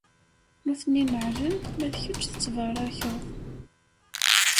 Nutni neɛɛlen, ma d kečč tettbarakeḍ.